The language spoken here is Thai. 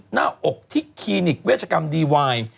หน้าอกที่คลินิกเวชกรรมดีวาย